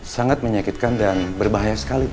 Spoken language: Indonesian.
sangat menyakitkan dan berbahaya sekali